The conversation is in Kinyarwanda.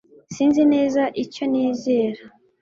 Sinzi neza icyo nizera